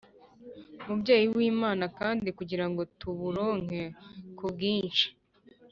umubyeyi w’imana kandi kugira ngo tuburonke ku bwinshi